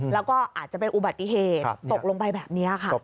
แล้วก็อาจจะเป็นอุบัติเหตุตกลงไปแบบนี้ค่ะ